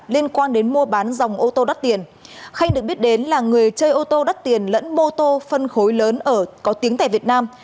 liên quan đến mua bán dòng ô tô đắt tiền khanh được biết đến là người chơi ô tô đắt tiền lẫn mô tô phân khối lớn có tiếng tại việt nam